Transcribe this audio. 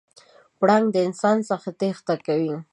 پړانګ د انسانانو څخه تېښته کوي.